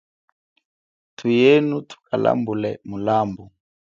Thuyenu thukalambule mulambu.